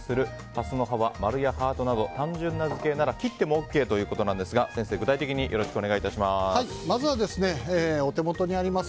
ハスの葉は丸やハートなど単純な図形なら切ってもＯＫということですが先生まずはお手元にあります